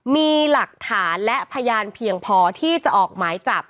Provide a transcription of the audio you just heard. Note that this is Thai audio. มีหลักฐานและพยานเพียงพอที่จะออกหมายจับ